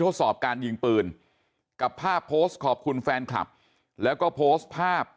ทดสอบการยิงปืนกับภาพโพสต์ขอบคุณแฟนคลับแล้วก็โพสต์ภาพ